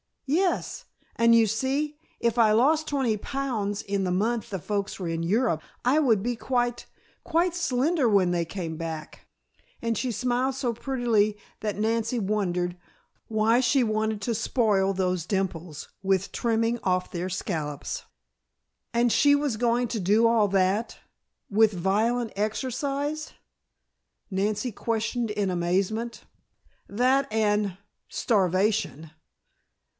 "Yes. And you see, if I lost twenty pounds in the month the folks are in Europe I would be quite quite slender when they came back," and she smiled so prettily that Nancy wondered Why she wanted to spoil those dimples with trimming off their scallops. "And she was going to do all that with violent exercise?" Nancy questioned in amazement. "That and starvation."